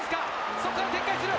そこから展開する。